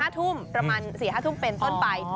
๕ทุ่มประมาณ๔๕ทุ่มเป็นต้นไป